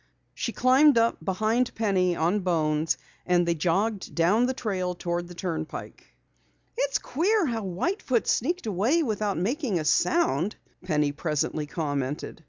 She climbed up behind Penny on Bones and they jogged down the trail toward the turnpike. "It's queer how White Foot sneaked away without making a sound," Penny presently commented.